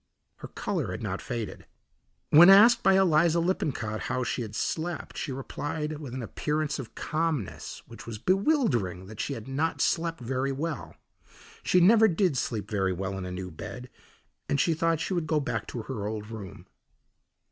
Her colour had not faded. When asked by Eliza Lippincott how she had slept, she replied with an appearance of calmness which was bewildering that she had not slept very well. She never did sleep very well in a new bed, and she thought she would go back to her old room.